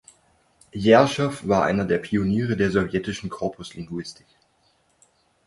Jerschow war einer der Pioniere der sowjetischen Korpuslinguistik.